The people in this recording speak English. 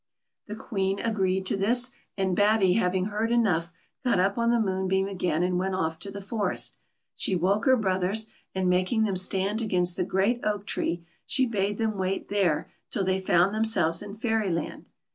The Queen agreed to this, and Batty having heard enough, got up on the moonbeam again, and went off to the forest. She woke her brothers, and making them stand against the great oak tree, she bade them wait there till they found themselves in Fairyland.